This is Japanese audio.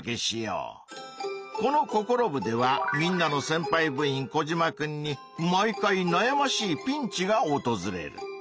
この「ココロ部！」ではみんなのせんぱい部員コジマくんに毎回なやましいピンチがおとずれる。